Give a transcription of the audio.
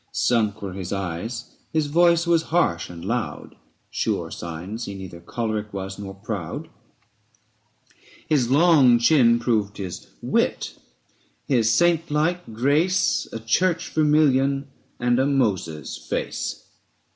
645 Sunk were his eyes, his voice was harsh and loud, Sure signs he neither choleric was nor proud : His long chin proved his wit, his saint like grace A church vermilion and a Moses' face.